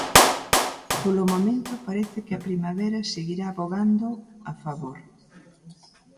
Polo momento, parece que a primavera seguirá vogando a favor.